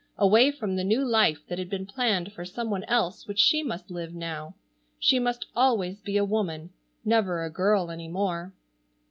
Away from the new life that had been planned for some one else which she must live now. She must always be a woman, never a girl any more.